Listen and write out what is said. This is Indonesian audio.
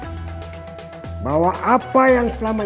kayaknya kan juga banyak amat k lagu lagi